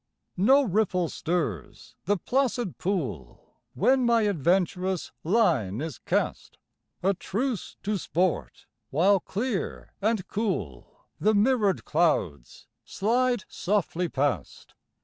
No ripple stirs the placid pool, When my adventurous line is cast, A truce to sport, while clear and cool, The mirrored clouds slide softly past.